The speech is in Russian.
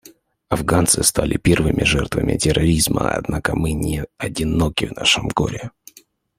Афганцы стали первыми жертвами терроризма, однако мы не одиноки в нашем горе.